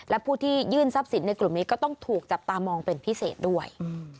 และผู้ที่ยื่นทรัพย์สินในกลุ่มนี้ก็ต้องถูกจับตามองเป็นพิเศษด้วย